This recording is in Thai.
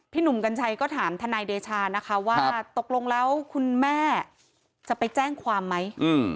หนุ่มกัญชัยก็ถามทนายเดชานะคะว่าตกลงแล้วคุณแม่จะไปแจ้งความไหม